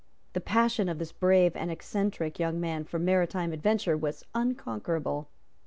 The passion of this brave and eccentric young man for maritime adventure was unconquerable.